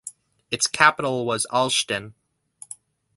Its capital was Olsztyn.